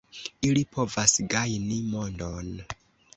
Ili povas gajni mondon.